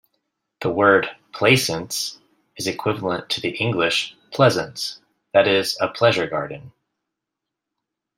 The word "plaisance" is equivalent to the English "pleasance", that is a pleasure garden.